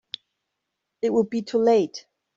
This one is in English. It'd be too late.